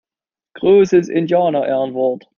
Großes Indianerehrenwort!